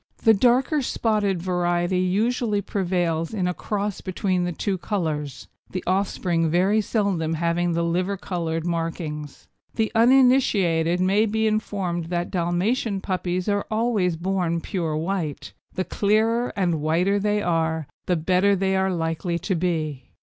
The darker spotted variety usually prevails in a cross between the two colours, the offspring very seldom having the liver coloured markings. The uninitiated may be informed that Dalmatian puppies are always born pure white. The clearer and whiter they are the better they are likely to be.